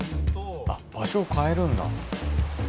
あっ場所変えるんだ。